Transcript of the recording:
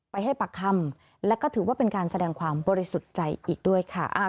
ให้ปากคำและก็ถือว่าเป็นการแสดงความบริสุทธิ์ใจอีกด้วยค่ะ